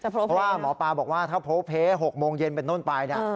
เพราะว่าหมอปลาบอกว่าถ้าโพเพ๖โมงเย็นเป็นต้นไป